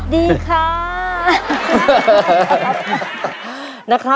ดีค่ะ